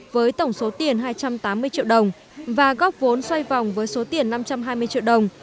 với tổng số tiền hai trăm tám mươi triệu đồng và góp vốn xoay vòng với số tiền năm trăm hai mươi triệu đồng